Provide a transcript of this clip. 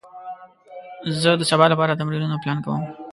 زه د سبا لپاره تمرینونه پلان کوم.